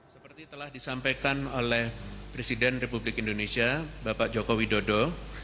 seperti telah disampaikan oleh presiden republik indonesia bapak joko widodo